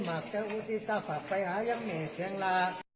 มากเช่าอุติศาสตร์ภักดิ์ไฮะยังไงเชียงละ